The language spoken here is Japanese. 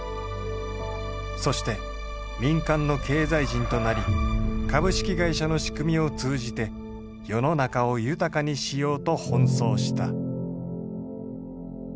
そして民間の経済人となり株式会社の仕組みを通じて世の中を豊かにしようと奔走した。